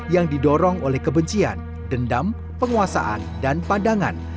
yang didorong oleh kebencian dendam penguasaan dan pandangan